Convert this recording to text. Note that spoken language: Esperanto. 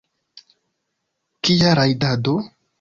Kia rajdado?